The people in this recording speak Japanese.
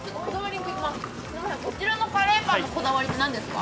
こちらのカレーパンのこだわりって何ですか？